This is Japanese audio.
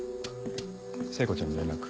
聖子ちゃんに連絡。